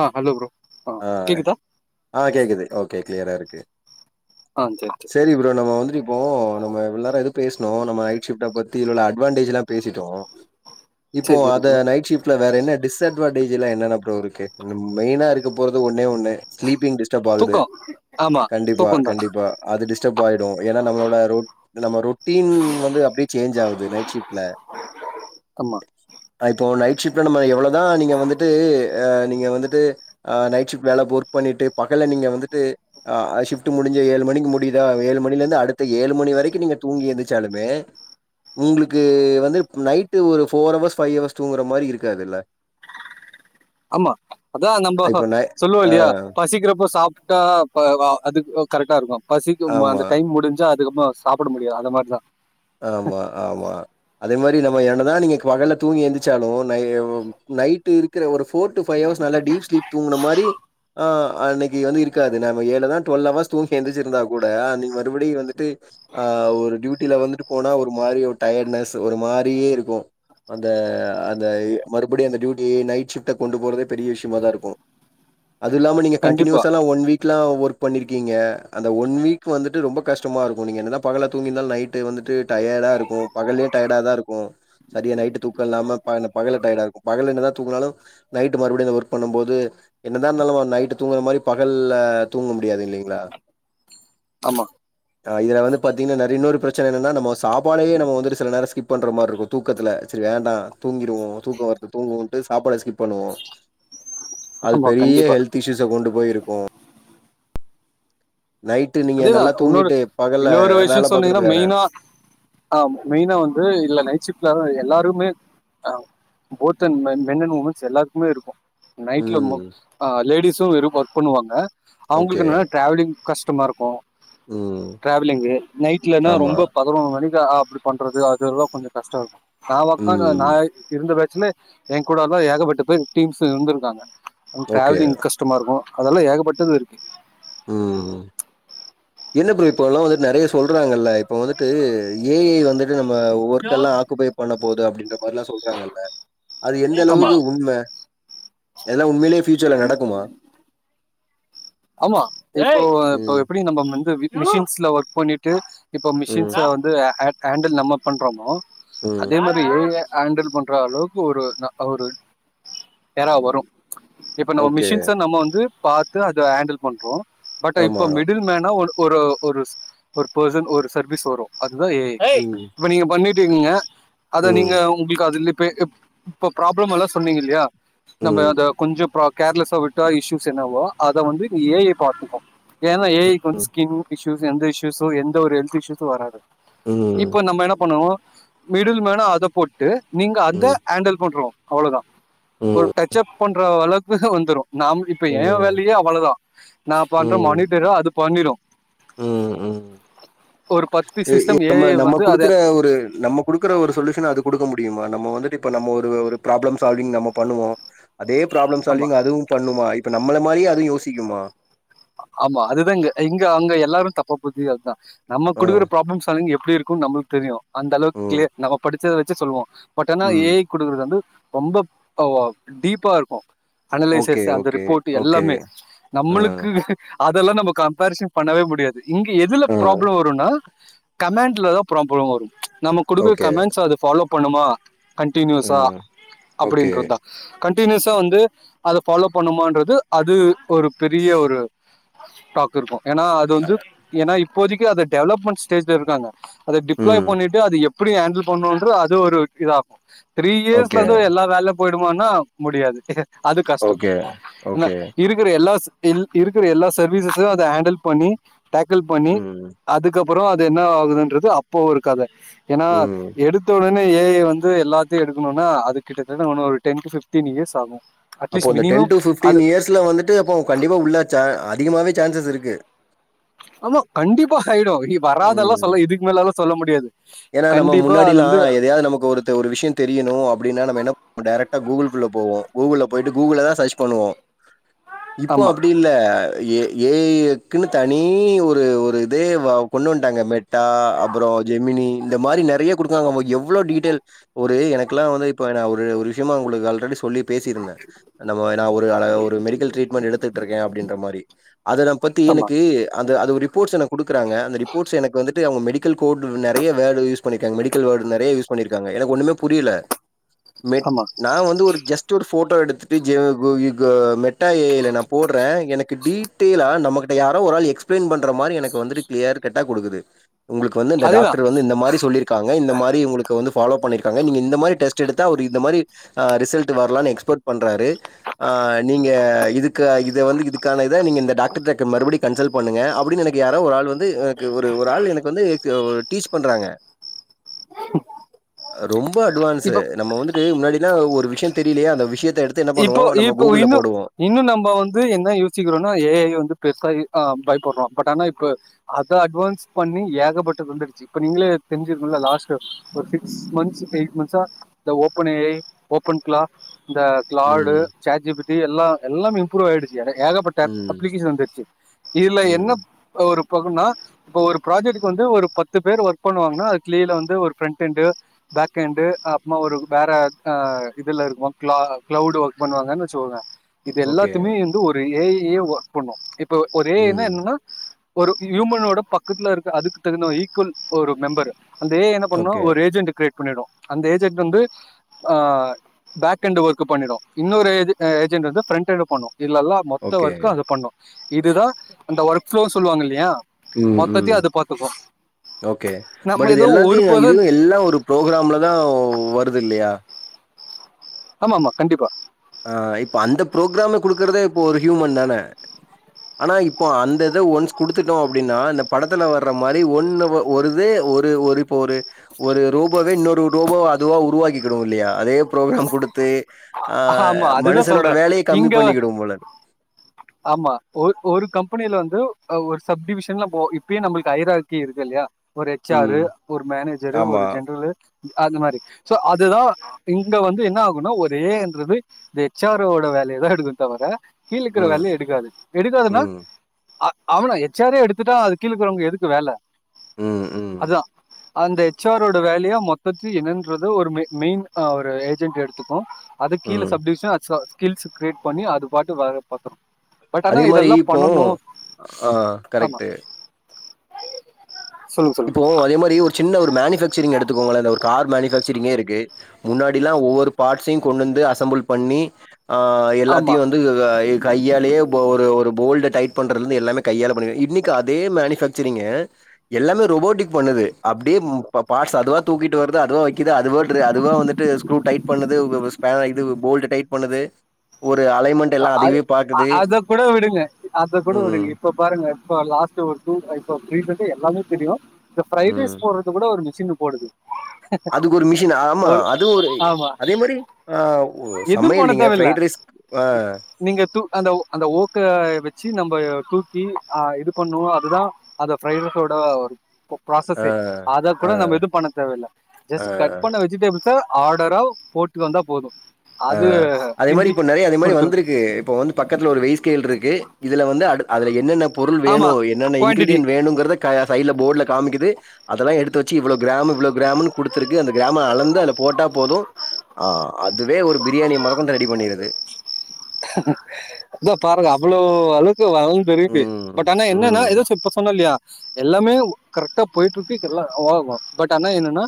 ஆ hello bro ஆ ஆ கேக்குது ஓகே கிளியரா இருக்கு ஆ சரி சரி சேரி ப்ரோ நம்ம வந்துட்டு இப்போ நம்ம இவ்ளோ நேரோ எதோ பேசுணோ நம்ம நைட் ஷிஃப்ட பத் தி இதுல உள்ள அட்வான்டேஜ் எல்லா பேசிட்டோ இப்போ சரி சரி அத ப்ரோ நைட் ஷிஃப்ட்ல வேற என்ன டிஸ்அட் வான்டேஜ் எல்லா என்னென்ன ப்ரோ இருக்கு மெய்னா இருக்க போறது ஒன்னே ஒன்னு ஸ்லீப்பிங் டி ஸ்டர்ப் ஆகுது தூக்கோ ஆமா கண்டிப்பா தூக்கந்தா கண்டிப்பா அது டி ஸ்டர்ப் ஆயிடு ஏனா நம்மளோட ரொ நம்ம ரொட்டின் வந்து அப்டியே சேஞ்ச் ஆவுது நைட் ஷிஃப்ட்ல ஆமா அ இப்போ நைட் ஷிப்ட்ல நம்ம எவ்ளவுதா நீங்க வந்துட்டு அ நீங்க வந்துட்டு ஆ நைட் ஷிஃப்ட் வேல ஒர்க் பண்ணிட்டு பகல்ல நீங்க வந்துட்டு ஆ ஷிஃப்ட் முடிஞ்சு ஏழு மணிக்கு முடிதா ஏழு மணிலந்து அடுத்த ஏழு மணி வரைக்கு நீங்க தூங்கி எந்திருச்சாலுமே உங்களுக்கு வந்து நைட்டு ஒரு ஃபோர் அவர்ஸ் ஃபைவ் அவர்ஸ் தூங்குற மாரி இருக்காதில்ல ஆமா அதா நம்போ இப்ப நை சொல்லுவோ ஆ இல்லையா பசிக்கிறப்ப சாப்ட்டா ப அ அதுக்கு கரெக்டா இருக்குமாம் பசிக்கும் ஆமா. அந்த டைம் முடிஞ்சா அதுக்கப்றமா சாப்பிட முடியாது அந்த மாரிதா ஆமா ஆமா அதே மாரி நம்ம என்னதா நீங்க பகல்ல தூங்கி எந்திரச்சாலு நை நைட்டு இருக்கிற ஒரு ஃபோர் டு ஃபைவ் அவர்ஸ் நல்லா டீப் ஸ்லீப் தூங்குன மாரி ஆ அன்னைக்கு வந்து இருக்காது நாம என்னதா டொவ்ல்வ் அவர்ஸ் தூங்கி எந்திருச்சிருந்தா கூட அன்னைக்கு மறுபடியு வந்துட்டு ஆ ஒரு டியூட்டில வந்துட்டு போனா ஒரு மாரி ஒரு டயர்ட்னஸ் ஒரு மாரியே இருக்கு அந்த அந்த மறுபடியு அந்த டியூட்டி நைட் ஷிஃப்ட்ட கொண்டு போறதே பெரிய விஷ்யமாதா இருக்கு அது இல்லாம நீங்க கண்டிப்பா கண்டியூஸ்ல்லா ஒன் வீக்கெல்லா ஒர்க் பண்ணிருக்கீங்க அந்த ஒன் வீக் வந்துட்டு ரொம்ப கஷ்டமா இருக்கு நீங்க என்ன பகல்ல தூங்கிருந்தாலு நைட்டு வந்துட்டு டயர்டா இருக்கு பகல்லயு டயர்டாதா இருக்கு சரியா நைட் தூக்கோ இல்லாம ப பகல்ல டயர்டா இருக்கு பகல்ல என்னதா தூங்குனாலு நைட் மறுபடியு அந்த ஒர்க் பண்ணும்போது என்னதா இருந்தாலு நைட்டு தூங்குற மாரி பகல்ல தூங்க முடியாது இல்லீங்ளா ஆமா இதுல வந்து பாத்தீங்கன்னா நெற இன்னொரு பிரச்சன என்னனா நம்மோ சாப்பாடயே நம்ம வந்துட்டு சில நேரோ ஸ்கிப் பண்ற மாரி இருக்கு தூக்கத்தில சரி வேண்டா தூங்கிடுவோ தூக்கோ வர்து தூங்குவோன்ட்டு சாப்பாட ஸ்கிப் பண்ணுவோ அது ஆமா பெரிய கண்டிப்பா ஹெல்த் இஷ்யூஷ்ஷ கொண்டு போயிருக்கு நைட்டு நீங்க அதேதா நல்லா உன்னொடு தூங்கிட்டு பகல்ல இன்னொரு விஷ்யோ வேல பாக்குறது சொன்னீங்கன்னா வேற. மெய்னா ஆ மெய்னா வந்து இல்ல நைட் ஷிஃப்ட்லதா எல்லாருமே அ both an men and womens எல்லாருக்குமே இருக்கு நைட்ல மொ ம். அ லேடிஸு வெறு ஒர்க் பண்ணுவாங்க ஓகே. அவுங்களுக்கு என்னனா டிராவலிங் கஷ் டமா இருக்கு ம். டிராவலிங்கு நைட்லனா ஆமா. ரொம்ப பதினோரு மணி தா அப்டி பண்றது அதெல்லா கொஞ்சோ கஷ்டோ இருக்கு நா ஒக்காந்த ம். நா இருந்த பே ச்ல என் கூடெல்லா ஏகப்பட்ட பேர் டீம்ஸ் இருந்திருக்காங்க ஓகே. டிராவலிங் கஷ்டமா இருக்கு அதெல்லா ஏகப்பட்டது இருக்கு ம் இல்ல ப்ரோ இப்போ எல்லா வந்துட்டு நெறயா சொல்றாங்கல்ல இப்ப வந்துட்டு ஏ ஐ வந்துட்டு நம்ம ஒர்க் எல்லா ஆக்குபை பண்ண போது அப்டின்ற மாரில்லா சொல்றாங்கல்ல அது எந்த ஆமா அளவுக்கு உண்ம எல்லா உண்மைலயே ஃபியூச்சர்ல நடக்குமா ஆமா இப்போ இப்ப ம். எப்டி நம்ம வந்து வீட்டு மெஷின்ஸ்ல ஒர்க் பண்ணிட்டு இப்போ ம். மிஷின்ஸ் வந்து ஹேண்டில் நம்ம பண்றோமோ ம். அதே மாரி ஹேண்டல் பண்ற அளவுக்கு ஒரு ஒரு எரா வரு இப்ப நம்ம ஓகே. மிஷின்ஸ்ஸ நம்ம வந்து பாத்து அத ஹேண்டல் பண்றோம் பட் ஆமா. இப்ப மிடில் மேனா ஒரு பெர்சன் ஒரு சர்வீஸ் வரும் ம். இப்ப நீங்க பண்ணிட்டிருக்கீங்க அத ம். நீங்க உங்களுக்கு அதுல இப்ப ப்ராப்ளம் எல்லா சொன்னீங்க இல்லியா நம்ம ம். அத கொஞ்ச ப்ராக் கேர்லெஸா விட்ட இஸ்ஸீஸ் என்னவோ அத வந்து ஏ ஐ பாத்துக்கு ஏன்னா ஏ ஐ வந்து ம். ஸ்கின் எந்த இஸ்யூஸு எந்த ஒரு ஹெல்த் இஸுசு வராது ம். இப்ப நம்ம என்ன பண்ணுவோம் மிடில் மேனா அத போட்டு நீங்க அத ம். ஹேண்டல் பண்றோ அவ்ளதா ஒரு ம். டச் அப் பண்ற அளவுக்கு வந்துரும் நாம் இப்ப என் ம். வேல யே அவ்ளதா நான் பண்ற ம். மானிடர அது பண்ணிரும் ம். ம். ஒரு பத் நம்ம நம்ம குடுக்குற ஒரு நம்ம குடுக்குற ஒரு சொல்யூஷன அது குடுக்க முடியுமா நம்ம வந்து இப்ப நம்ம ஒரு ப்ராப்ளம் சால்விங் நம்ம பண்ணுவோ அதே ப்ராப்ளம் ஆமா சால்விங் அதுவு பண்ணுமா இப்ப நம்ம நம்மள மாரியே அதும் யோசிக்குமா ஆமா அதுதா இங்க இங்க அங்க எல்லாரு தப்பா புரி [unintelligible] அதுதான் நம்ம அ, குடுக்குற ப்ராப்ளம் ஸால்விங் எப் எப்டி இருக்கும்னு நம்மளுக்கு தெரியு அந்த அளவுக்கு க்ளிய ம், நம்ம படிச்சதை வச்சு சொல்வோம் பட் ஆனா ஏ ம். ஐ குடுக்குறது வந்து ரொம்ப டீப்பா இருக்கும் ஓகே, அனலெசிஸ் அந்த ஓகே, ரிப்போர்ட் ஓகே. எல்லாமே அ, நம்மளுக்கு அதெல்லா நம்ம கம்பரிசன் பண்ணவே முடியாது இங்க எதுல அ, ப்ராப்ள வரும்னா கமாண்ட்லதான் ப்ராப்ளம் வரும் நம்ம குடுக்கற ஓகே, கமாண்ட்ஸ் அது ஃபாலோ பண்ணுமா கன்டினியூஸா ம், ஓகே, அப்படின்றது தான் கன்ட் டினியூஸா வந்து அத பாலோ பண்ணுமான்றது அது ஒரு பெரிய ஒரு டாக் இருக்கும் ஏன்னா அது வந்து ஏன்னா இப்போதைக்கு அது டெவலப்மெண்ட் ஸ்டேஜ்ல இருக்காங்க அத டிப்ளாய் ம், பண்ணிட்டு அது எப்டி ஹேண்டில் பண்ணும்ன்ற அது ஒரு இதா த்ரீ இயர்ஸ்ல ஓகே, வந்து எல்லா வேல போயிடுமானா முடியாது அது கஷ்டம் ஓகே, என்ன ஓகே, இருக்கிற எல்லாஸ் இன் இருக்குற எல்லா சர்வீசஸ்ஸையும் அத ஹேண்டில் பண்ணி டாக்கில் பண்ணி ம், அதுக்கப் புறோ அது என்ன ஆகுதுன்றது அப்ப ஒரு கத ஏன்னா ம். எடுத்தோன்னே ஏ ஐ வந்து எல்லாத்தையு எடுக்கணும்னா அது கிட்டத்தட்ட இன்ன ஒரு டென் டு ஃபிப்டீன் இயர்ஸ் ஆகும் அப்போ அட்லீஸ்ட் அந்த டென் மினிமம் டு அது ஃபிப்டீன் இயர்ஸ்ல வந்துட்டு அப்போ கண்டிப்பா உள்ள அதிகமாவே சான்சஸ் இருக்கு ஆமா கண்டிப்பா ஆய்டும் வராதெல்லாம் ம். சொல்ல இதுக்கு மேல எல்லா சொல்ல மு ஏன்னா நம்ம முன்னாடில்லா எதையாவது நமக்கு ஒருத்த ஒரு விஷயம் தெரியணும் அப்டின்னா நம்ம என்னப் நம்ம டைரெக்டா கூகுள்ள போவோம் கூகுள்ள போயிட்டு கூகுள்ள தா சர்ச் பண்ணுவோ இப்போ ஆமா அப்டி இல்ல ஏ ஏ ஐ க்குன்னு தனி ஒரு ஒரு இதே கொண்டு வந்டாங்க மெட்டா அப்றம் ஜெமினி இந்த மாரி நெறைய கொடுக்குவாங்க எவ்ளோ டீடெய்ல் ஒரு எனக்குலா வந்து இப்ப வந்து நா ஒரு விஷயமா உங்களுக்கு ஆல்ரடி சொல்லி பேசிருந்தேன் நம்ம நாவொரு நா ஒரு மெடிக்கல் ட்ரீட்மெண்ட் எடுத்துட்டு இருக்கே அப்டின்ற மாரி அத நாப் பத்தி ஆமா எனக்கு அந்த அது ரிப்போட்ஸ் எனக்கு குடுக்குறாங்க அந்த ரிப்போர்ட்ஸ் எனக்கு வந்துட்டு அவங்க மெடிக்கல் கோடு நெறைய வேர்ட் யூஸ் பண்ணிக்காங்க மெடிக் கல் வேர்டு நெறைய யூஸ் பண்ணியிருக்காங்க எனக்கு ஒண்ணுமே புரியல மெட் ஆமா நா வந்து ஒரு ஜஸ்ட் ஒரு ஃபோட்டோ எடுத்துட்டு ஜி [unintelligible] மெட்டா ஏ ஐ ல நான் போடுறேன் எனக்கு டீட் டெய்லா நம்மகிட்ட யாரோ ஒரு ஆள் எக்ஸ்பிளைன் பண்ற மாரி எனக்கு வந்துட்டு கிளியர் கட்டா குடுக்குது உங்களுக் கு வந்து இந்த அதேதா டாக்டர் வந்து இந்த மாரி சொல்லிருக்காங்க இந்த மாரி உங்களுக்கு வந்து ஃபாலோ பண்ணிருக்காங்க நீங்க இந்த மாரி டெஸ்ட் டெஸ்ட் எடுத்தா அவர் இந்த மாரி அ ரிசல்ட் வரலாம்னு எக்ஸ்போர்ட் பண்றாரு நீங்க இதுக்கு இது வந்து இதுக்கான இத நீங்க இந்த டாக்டர்ட்ட மறுபடி கன்சல்ட் பண்ணுங்க அப்டின்னு எனக்கு யாரோ ஒராள் வந்து எனக்கு ஒரு ஒரு ஆள் எனக்கு வந்து டீச் பண்றாங்க ரொம்ப அட்வான்சு இப்ப நம்ம வந்துட்டு முன்னாடினா ஒரு விஷய தெரியலையே அந்த விஷயத் இப்போ இப்போ இன்னும் இன்னும் நம்ம வந்து என்ன யோசிக்கிறோம்னா ஏஐ வந்து பெருசா ஆ பயப்படுறோம் பட் ஆனா இப்ப அத அட்வான்ஸ் பண்ணி ஏகப்பட்டது வந்துடுச்சு இப்ப நீங்களே தெரிஞ்சிருக் லாஸ்ட் ஒரு சிக்ஸ் மந்த்ஸ் எயிட் மந்த்ஸ் இந்த ஓபன் ஏ ஐ ஓபன்க்லா இந்த கிளார்டு ம், சாட்ஜிபிடி எல்லா எல்லாமே இம்ப்ரூவ் ஆயிடுச்சு என ஏகப்பட்ட ம், அப்ளிகேஷன் வந்துருச்சு இதுல ம். என்ன ஒரு பகுனா இப்ப ஒரு பிராஜெக்ட்டுக்கு வந்து ஒரு பத்து பேர் ஒர்க் பண்ணுவாங்கன்னா அது கிளீல வந்து ஒரு ப்ரெண்ட்டெண்டு பேக்கெண்ட்டு அப்புமா ஒர் ஒரு வேற ஆஹ் இதுல இருக்கு கிளவுடு ஒர்க் பண்ணுவாங்கன்னு வச்சுக்கோங்க இது ஓகே. எல்லாத்துமே வந்து ஒரு ஏ ஐ யே ஒர்க் பண்ணும் இப்ப ஒரு ஏ ஐனா ம். என்னன்னா ஒரு ஹியூமனோட பக்கத்துலருக்க அதுக்கு தகுந்த ஈக்குவல் ஒரு மெம்பரூ அந்த ஏ ஐ என்ன பண்ணும் ஓகே, ஒரு ஏஜெண்ட் கிரேட் பண்ணிடும் அந்த ஏஜென்ட் வந்து பேக் எண்ட் ஒர்க் பண்ணிடும் இன்னொரு இது ஏஜென்ட்டு வந்து ப்ரெண்டட் பண்ணும் இதுலல்லா மொத்த ஓகே. ஒர்க்கு அது பண்ணு இதுதான் அந்த ஒர்க்ப்ளோ சொல்லுவாங்க இல்லையா ம், ம். மொத்தத்தையு அது பாத்துக்கு ஓகே பட் நம்ம இது ஏதோ ஒரு எல்லாத்தையும் பர்சன் வந்து எல்லா ஒரு பு்ரோக்ராம்ல தான் வருது இல்லையா ஆமா ஆமா கண்டிப்பா ஆ இப்ப அந்த ப்ரோக்ராம குடுக்குக்கறதே இப்போ ஒரு ஹியூமன் தானே ஆனா இப்போ அந்த இத ஒன்ஸ் குடுத்துட்டோம் அப்டின்னா இந்த படத்துல வர்ற மாரி ஒன்னு ஒருதே ஒரு ஒரு இப்ப ஒரு ஒரு ரோபோவே இன்னொரு ரோபோவ அதுவா உருவாக்கிக்கிடும் இல்லையா அதே புரோக்ராம் குடு குடுத்து ஆ ஆஹ் ஆமா அதுதான் மனுஷனோட சொல்றேன் வேலைய கம்மி இங்க பண்ணிக்கிடும் போல இருக்கு. ஆமா ஒரு ஒரு கம்பெ கம்பெனில வந்து ஒரு சப் டிவிஷன்லா போ இப்பயே நம்மளுக்கு ஐ ஆக்கி இருக்கு இல்லையா ஒரு எச் ஆரு ம். ஒரு மேனேஜரு ஆமா. ஒரு ஜென்ரலு அதுமாரி சோ அதுதான் இங்க வந்து என்ன ஆகும்னா ஒரே என்னது எச் ஆரோட வேலய தான் எடுத்து த வர கீழ இருக்குற ம். வெள்ளய எடுக்காது எடுக்காதுன்னா ம். அஹ் ஆவன எச் ஆரே எடுத்துட்டா அது கீழக்குறவங்க எதுக்கு வேல ம். ம். அதுதான் அந்த எச் ஆரோட வேலையா மொத்தத்து என்னன்றது ஒரு மெயின் ஒரு ஏஜென்ட் எடுத்துக்கும் அதுக்கு கீழ ம். சப்டிவிஷன் [inaudible] ஸ்கில்ஸ் க்ரியேட் பண்ணி அது பாட்டு வ பாத்துோம் பட் ஆனா அதே மாரி இதெல்லாம் இப்போ பண்ணணும் ஆ கரெக்ட். ஆமா சொல்லுங்க சொல்லுங்க இப்போ அதே மாதிரி ஒரு சின்ன ஒரு மேனுபேக்சரிங் எடுத்துக்கோங்கள அ இந்த ஒரு கார் மாரி [inaudible] இருக்கு முன்னாடில்லாம் ஒவ்வொரு பார்ட்ஸ்ஸையும் கொண்டு வந்து அசம்பிள் பண்ணி ஆஹ் ஆமா எல்லாத்தையும் வந்து என் கையாலேயே ஒரு ஒரு போல்டு டைட் பண்றதுல இருந்து எல்லாமே கையால பண்ணுவேன் இன்னைக்கு அதே மேனுபக்சரிங் எல்லாமே ரோபோட்டிக் பண்ணுது அப்படியே பார்ட்ஸ் அதுவா தூக்கிட்டு வருது அதுவா வைக்குது அது அதுவா வந்துட்டு க்ரு டைப் பண்ணுது ஸ்பே இது போல்ட் டைப் பண்ணுது ஒரு அலைன்மென்ட் எல்லாம் அத அதுவே பாக்குது. அத குட விடுங்க அத குட ம், விடுங்க இப்ப பாருங்க இப்போ லாஸ்ட்டு ஒரு டூ இப்போ ரீசண்டா எல்லாமே தெரியு இந்த ஃப்ரை ம். ரைஸ் போட்றது குட ஒரு மிஷினு போடுது அதுக்கொரு மிஷின் ஆமா அது ஒரு ஆமா அதே மாரி ஓ எதுவும் சமையல் பண்ண இல்லிங்க தேவையில்ல ஃப்ரைட் ரைஸ் ஆ நீங்க டூ அந்த அந்த ஊக்க வச்சி நம்ப தூக்கி அ இது பண்ணுவோ அதுதா அத ப்ரைட் ரைஸோட ஒரு ஆ ப்ராசஸே அத ஆ கூட நம்ப இது பண்ண தேவயில்ல ஆ ஜெஸ்ட் கட் பண்ண வெஜிடபிள்ஸ ஆடரா போட்டு வந்தா போது ஆ அது அதே மாரி கிண்டி இப்ப நெறையா அதே மாரி குடுத்துரு வந்திருக்கு இப்ப வந்து பக்கத்துல ஒரு வெய்ஸ் கேள் இருக்கு இதுல வந்து அடு அதுல என்னென்ன பொருள் வேனு ஆமா என்னென்ன குவான்டிட்டி இன்கிரீடியன் வேணுங்கறத க சைட்ல போர்ட்ல காம்மிக்குது அதெல்லா எடுத்து வச்சி இவ்ளோ கிராமு இவ்ளோ கிராம்ன்னு குடுத்திருக்கு அந்த கிராம்ம அளந்து அதுல போட்டா போது அ இதுவே ஒரு பிரியாணி மொதக்கொண்டு ரெடி பண்ணிறது தோ பாருங்க அவ்வளோ அலு வரவு தெரியுது ம் பட் ஆனா என்னன்னா ம் ஏதோ இப்ப சொன்ன இல்லையா எல்லாமே கர்ட்டா பொயிட்டு இருக்கு பட் ஆனா என்னன்னா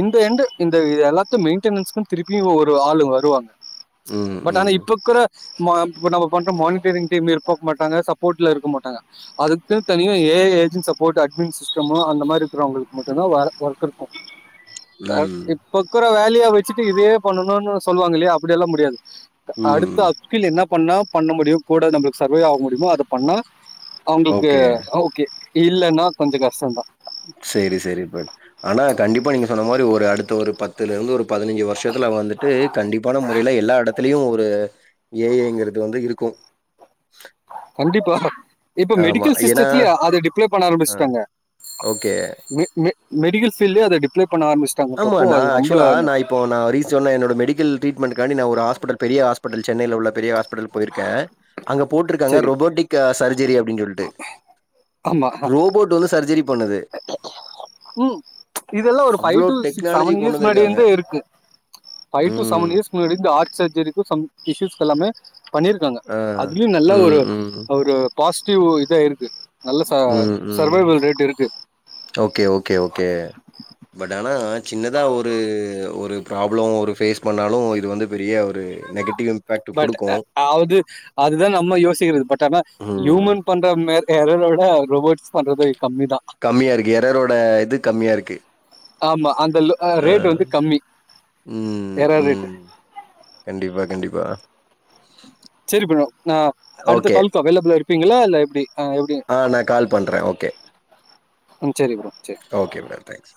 இந்த எண்டு் இந்த எலக்கு மெயின்டெனஸ்க்கு திருப்பியு ஒரு ஆளு வருவாங்க ம் பட் ஆனா ம் இப்ப கூட மா இப்ப நம்ப பண்ற மானிட்டெய்ரிங் டீம் [unintelligible] மாட்டாங்க சப்போர்ட்ல இருக்க மாட்டாங்க அதுக்குன்னு தனியா A A I agent support admin சிஸ்டமோ அந்த மாரி இருக்குறவங்களுக்கு மட்டுந்தா வேல ஒர்க இருக்கு கா ம் இப்பக்கூட வேலையா வெச்சிட்டு இதையே பண்ணணுன்னு சொல்லுவாங்க இல்லையா அப்டியெல்லா முடியாது ம் இல்ல என்னா பண்ணா பண்ண முடியு கூட நம்ளுக்கு சர்வே ஆக முடியுமா அத பண்ணா அவுங்ளுக்கு ஓகே ஓகே இல்லன்னா கொஞ்சோ கஷ்டோதா சேரி சேரி பட் ஆனா கண்டிப்பா நீங்க சொன்ன மாரி ஒரு அடுத்த ஒரு பத்துல இருந்து ஒரு பதினைஞ்சு வருஷத்துல வந்துட்டு கண்டிப்பான முறையில எல்லா எடத்துலயு ஒரு ஏஐங்கிறது வந்து இருக்கு கண்டிப்பா இப்ப மெடிக்கல் சிஸ்டத்துலயே அத டிப்ளே பண்ண அ ஆரம்பிச்சுட்டாங்க ஓகே. மே மே மெடிக்கல் பீல்லே அது டிப்ளோ ஆமா நா ஆக்சுவலா நா இப்போ நா ரீசன்னா என்னோட மெடிக்கல் ட்ரீட்மென்ட்க் காண்டி நா ஒரு ஹாஸ்பிடல் பெரிய ஹாஸ்பட்டல் சென்னைல உள்ள பெரிய ஹாஸ்பிட்டல் பொயிருக்கோ அங்க போட்டிருக்காங்க சரி ரோபோட்டிக் சர்ஜரி அப்டின்னு சொல்லிட்டு ஆமா ரோபோட் வந்து சர்ஜரி பண்ணது ம் இதெல்லா ஒரு five to six technology seven கொண்டு இயர்ஸ் முன்னாடிய வந்திருக்காங்க. இருந்தே இருக்கு பைவ் டு ம். செவன் இயர்ஸ் முன்னாடி ஹார்ட் சர்ஜரிக்கு சம் இஸ்யூஸ் எல்லாமே பண்ணிருக்காங்க ஆ. அதுலயும் நல்ல ஒரு ம், ம். ஒரு பாசிட்டிவ் இதா இருக்கு நல்ல ச ம், ம். சர்வைவல் ரேட் இருக்கு கே பட் ஆனா சின்னதா ஒரு ஒரு ப்ராப்ளம் ஒரு பேஸ் பண்ணாலு இது வந்து பெரிய ஒரு நெகட்டிவ் இம்பேக்ட் பட் குடுக்கும். அது அதுதான் நம்ம யோசிக்கிறது பட் ஆனா ம். ஹியூமன் பண்ற எறனோட ரோபோட்ஸ் பண்றது கம்மி தான் கம்மியா இருக்கு எரரோட இது கம்மியா இருக்கு ஆமா அந்த அ. ரேட் வந்து கம்மி ம், எரரு ம். கண்டிப்பா கண்டிப்பா சரி ப்ரோ ஆ அடுத்த ஓகே. காலுக்கு அவைலபிளா இருப்பீங்களா இல்ல எப்டி ஆ எப்டி ஆ நான் கால் பண்றேன். ஓகே. ம் சரி ப்ரோ சரி ஓகே மேம் தேங்க்ஸ்